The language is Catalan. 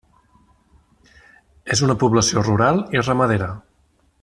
És una població rural i ramadera.